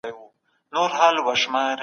موږ په صنف کي په نوې موضوع ږغېږو.